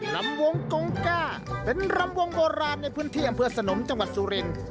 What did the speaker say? ลำวงกงก้าเป็นลำวงโบราณในพื้นที่อำเภอสนมจังหวัดสุรินทร์